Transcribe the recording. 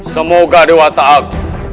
semoga dewa ta'ak